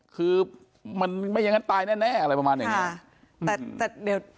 คือมันไม่อย่างนั้นตายแน่อะไรประมาณอย่างนี้